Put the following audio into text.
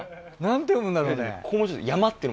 何て読むんだろうね。